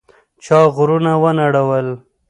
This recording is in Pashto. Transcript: چا غرونه ونړول؟